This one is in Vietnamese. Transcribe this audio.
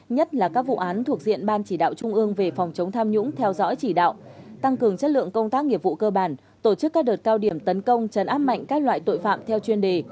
nhất là các vụ án thuộc diện ban chỉ đạo trung ương về phòng chống tham nhũng theo dõi chỉ đạo tăng cường chất lượng công tác nghiệp vụ cơ bản tổ chức các đợt cao điểm tấn công chấn áp mạnh các loại tội phạm theo chuyên đề